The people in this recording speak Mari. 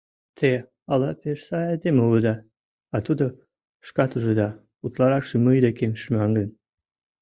Те ала пеш сай айдеме улыда, а тудо, шкат ужыда, утларакшым мый декем шӱмаҥын.